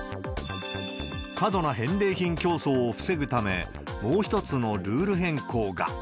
過度な返礼品競争を防ぐため、もう一つのルール変更が。